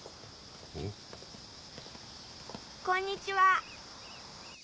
こんにちは。